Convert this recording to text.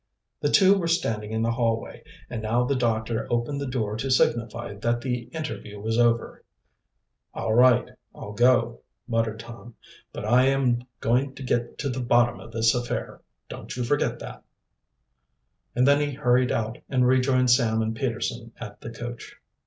The two were standing in the hallway, and now the doctor opened the door to signify that the interview was over. "All right, I'll go," muttered Tom. "But I am going to get to the bottom of this affair, don't you forget that." And then he hurried out and rejoined Sam and Peterson at the coach.